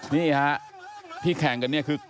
นี่ครับพี่แข่งกันนี่คือ